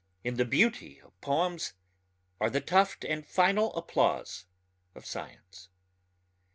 In the beauty of poems are the tuft and final applause of science.